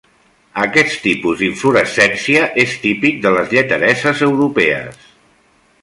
Aquest tipus d'inflorescència és típic de les lletereses europees.